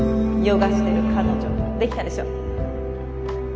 ヨガしてる彼女できたでしょ？